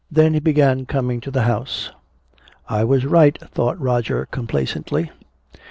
Then he began coming to the house. "I was right," thought Roger complacently.